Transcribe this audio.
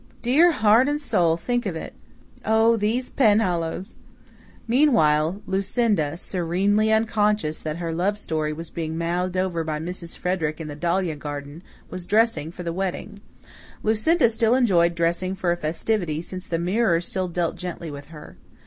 Dear heart and soul, think of it! Oh, these Penhallows!" Meanwhile, Lucinda, serenely unconscious that her love story was being mouthed over by Mrs. Frederick in the dahlia garden, was dressing for the wedding. Lucinda still enjoyed dressing for a festivity, since the mirror still dealt gently with her.